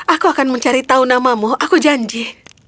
aku akan mencari tahu namamu aku janji